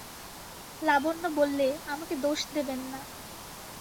লাবণ্য বললে, আমাকে দোষ দেবেন না।